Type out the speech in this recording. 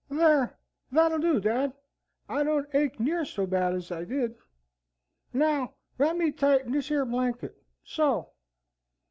Thar, that'll do, dad. I don't ache near so bad as I did. Now wrap me tight in this yer blanket. So.